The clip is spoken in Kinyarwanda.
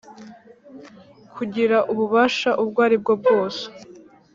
kugira ububasha ubwo aribwo bwose